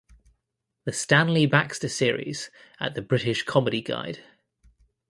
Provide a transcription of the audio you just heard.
The Stanley Baxter Series at the British Comedy Guide